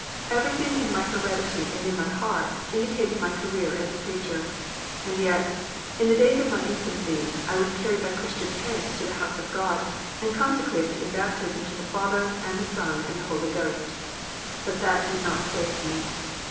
Everything in my heredity and in my heart indicated my career as a preacher. And yet, in the days of my infancy I was carried by Christian parents to the house of God, and consecrated in baptism to the Father, and the Son, and the Holy Ghost; but that did not save me.